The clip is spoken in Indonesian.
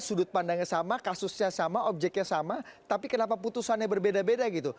sudut pandangnya sama kasusnya sama objeknya sama tapi kenapa putusannya berbeda beda gitu